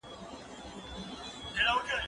هغه وويل چي زدکړه مهمه ده!.